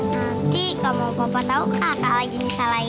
nanti kalau mama papa tau kakak lagi ini salah